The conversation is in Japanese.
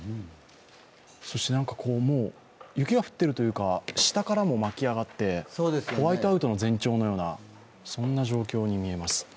そして雪が降っているというか、下からも巻き上がってホワイトアウトの前兆のような、そんな状況に見えます。